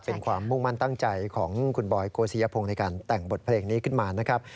เป็นความมุ่งมั่นตั้งใจของคุณบอยโกศิยพงศ์ในการแต่งบทเพลงนี้ขึ้นมานะครับ